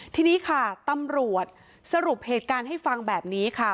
ทีนี้ค่ะตำรวจสรุปเหตุการณ์ให้ฟังแบบนี้ค่ะ